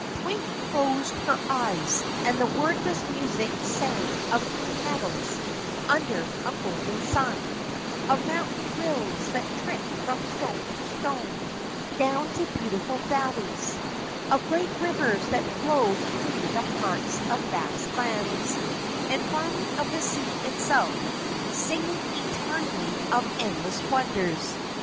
Twink closed her eyes, and the wordless music sang of green meadows under a golden sun, of mountain rills that tripped from stone to stone down to beautiful valleys, of great rivers that flowed through the hearts of vast lands and finally of the sea itself, singing eternally of endless wonders.